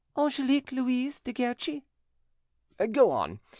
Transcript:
"Angelique Louise de Guerchi." "Go on!